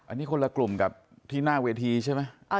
อันนี้คนละกลุ่มกับที่หน้าเวทีใช่ไหม